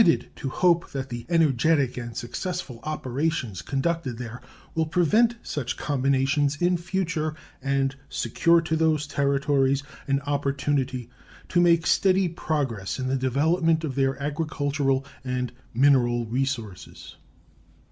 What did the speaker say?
From recent information we are permitted to hope that the energetic and successful operations conducted there will prevent such combinations in future and secure to those Territories an opportunity to make steady progress in the development of their agricultural and mineral resources.